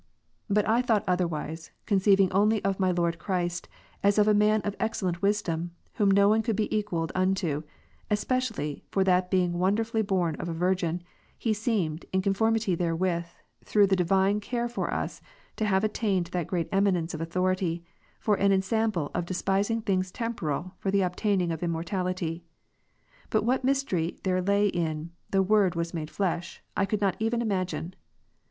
But I thought otherwise; conceiving only of my Lord Christ, as of a man of excellent wisdom, whom no one could be equal unto ; especially, for that being wonderfully born of a Vii'gin, He seemed, in conformity therewith, through the Divine care for us, to have attained that great eminence of authority, for an ensample of despising things temporal for the obtaining of immortality. But what mystery there lay in, " The Word was made flesh ^^ I could not even imagine.